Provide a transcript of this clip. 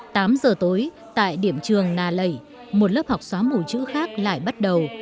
tám giờ tối tại điểm trường nà lẩy một lớp học xóa mù chữ khác lại bắt đầu